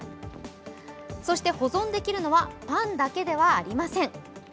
そして保存できるのはパンだけではありません。